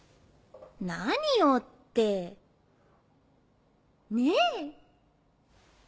何をってねぇ？